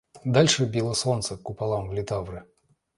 Дальше било солнце куполам в литавры.